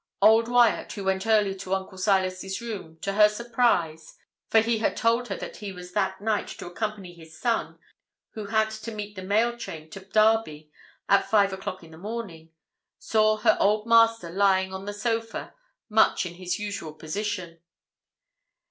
Old Wyat, who went early to Uncle Silas's room, to her surprise for he had told her that he was that night to accompany his son, who had to meet the mailtrain to Derby at five o'clock in the morning saw her old master lying on the sofa, much in his usual position.